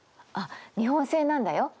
あっ日本製なんだよ。